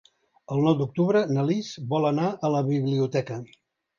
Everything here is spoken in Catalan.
El nou d'octubre na Lis vol anar a la biblioteca.